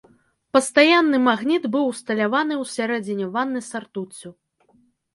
Пастаянны магніт быў усталяваны ў сярэдзіне ванны са ртуццю.